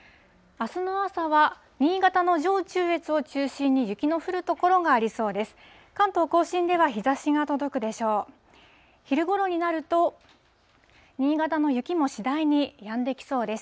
あすの朝は、新潟の上中越を中心に雪の降る所がありそうです。